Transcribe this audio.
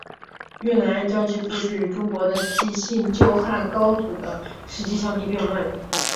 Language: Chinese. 越南人将其故事与中国的纪信救汉高祖的事迹相提并论。